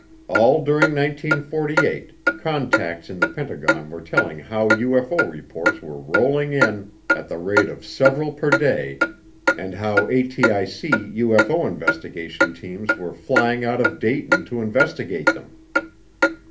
All during 1948 contacts in the Pentagon were telling how UFO reports were rolling in at the rate of several per day and how ATIC UFO investigation teams were flying out of Dayton to investigate them.